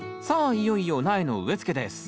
いよいよ苗の植え付けです